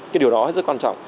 cái điều đó rất quan trọng